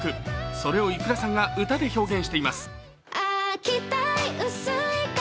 それをｉｋｕｒａさんが歌で表現しています。